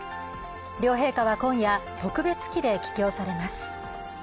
両陛下は今夜、特別機で帰京されます。